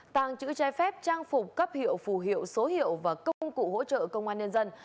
tàng chữ trái phép trang phục cấp hiệu phù hiệu số hiệu và công cụ hỗ trợ công an nhân dân